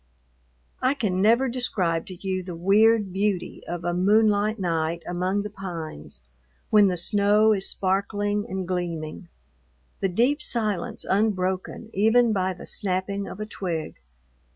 I can never describe to you the weird beauty of a moonlight night among the pines when the snow is sparkling and gleaming, the deep silence unbroken even by the snapping of a twig.